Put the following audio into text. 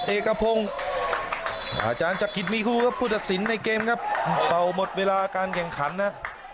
เอกพรงศ์อาจารย์จักรกินมีคือกว่าผู้ดักษินตร์ในเกมครับเบาหมดเวลาการแข่งขันนะ